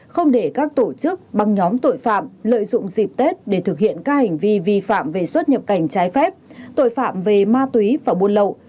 không để các tổ chức băng nhóm tội phạm lợi dụng dịp tết để thực hiện các hành vi vi phạm về xuất nhập cảnh trái phép tội phạm về ma túy và buôn lậu